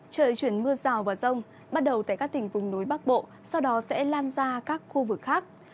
trời chuyển mưa rào và rông bắt đầu tại các tỉnh vùng núi bắc bộ sau đó sẽ lan ra các khu vực khác